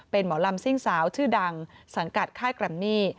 เป็นหมอลำซิ่งสาวชื่อดังสังกัดค่ายแกรมมี่